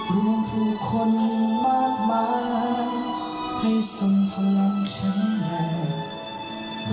รวมถึงคนมากมายให้ทรงพลังแข็งแรง